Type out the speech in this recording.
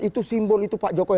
itu simbol itu pak jokowi